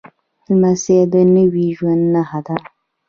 لمسی د نوي ژوند نښه ده.